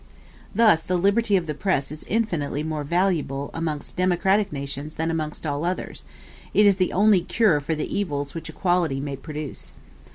Thus the liberty of the press is infinitely more valuable amongst democratic nations than amongst all others; it is the only cure for the evils which equality may produce.